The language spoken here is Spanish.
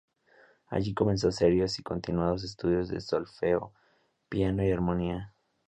Allí comenzó serios y continuados estudios de solfeo, piano y armonía.